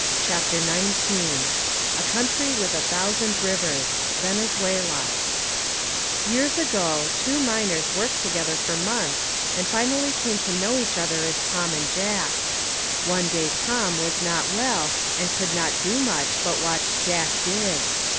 CHAPTER XIX A COUNTRY WITH A THOUSAND RIVERS VENEZUELA Years ago two miners worked together for months and finally came to know each other as Tom and Jack. One day Tom was not well and could not do much but watch Jack dig.